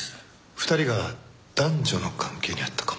２人が男女の関係にあった可能性は？